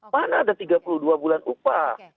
mana ada tiga puluh dua bulan upah